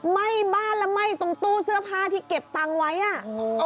ไหม้บ้านและไหม้ตรงตู้เสื้อผ้าที่เก็บตังค์ไว้อ่ะโอ้โห